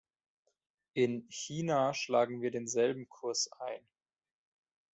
In China schlagen wir denselben Kurs ein.